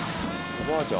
おばちゃん。